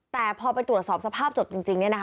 แต่พอไปตรวจสอบสภาพจดจริงเนี่ยนะคะ